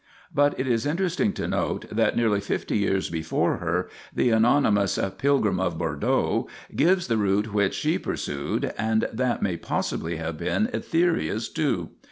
1 But it is interesting to note that, nearly fifty years before her, the anonymous " Pilgrim of Bordeaux" gives the route which she pursued, and that may possibly have been Etheria's too.